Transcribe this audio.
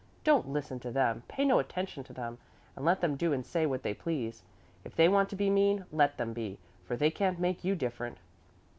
But don't listen to them, pay no attention to them, and let them do and say what they please. If they want to be mean, let them be, for they can't make you different."